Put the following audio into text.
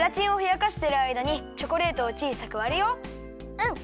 うん！